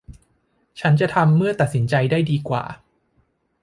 ฉันจะทำเมื่อตัดสินใจได้ดีกว่า